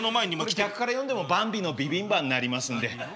これ逆から読んでもバンビのビビンバになりますんで。